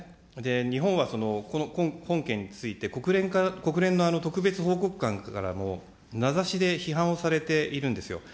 日本は本件について、国連の特別報告官からも名指しで批判をされているんですよ。